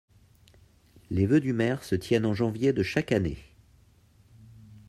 Les vœux du maire se tiennent en janvier de chaque année.